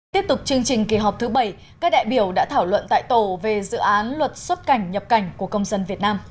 tiếp tục chương trình kỳ họp thứ bảy các đại biểu đã thảo luận tại tổ về dự án luật xuất cảnh nhập cảnh của công dân việt nam